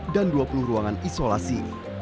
dan dua puluh ruangan isolasi